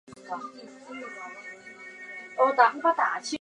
巴图里特是巴西塞阿拉州的一个市镇。